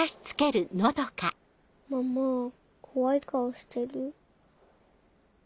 ママ怖い顔してる。